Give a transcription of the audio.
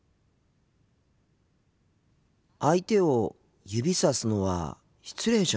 相手を指さすのは失礼じゃないんですか？